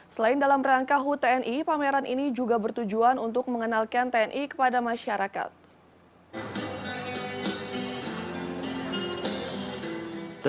selain dalam rangka hut tni pameran ini juga bertujuan untuk mengenalkan tni kepada masyarakat